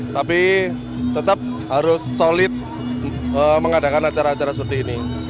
tapi tetap harus solid mengadakan acara acara seperti ini